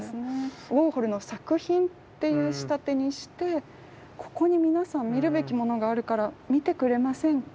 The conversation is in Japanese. ウォーホルの作品っていう仕立てにして「ここに皆さん見るべきものがあるから見てくれませんか？